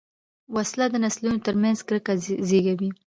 وسله د نسلونو تر منځ کرکه زېږوي